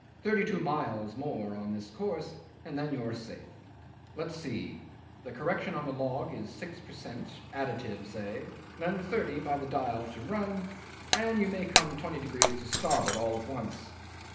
Thirty two miles more on this course and then you are safe. Let's see the correction on the log is six per cent. additive; say, then, thirty by the dial to run, and you may come twenty degrees to starboard at once.